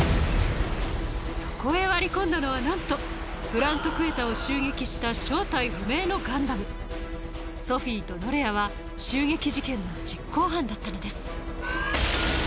そこへ割り込んだのはなんとプラント・クエタを襲撃した正体不明のガンダムソフィとノレアは襲撃事件の実行犯だったのですダダダダッ！